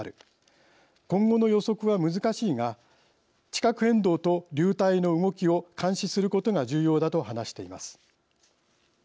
今後の予測は難しいが地殻変動と流体の動きを監視することが重要だと話しています。